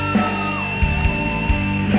มันจมูน